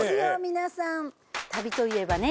皆さん旅といえばね